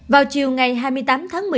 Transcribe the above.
vào chiều ngày hai mươi tám tháng chín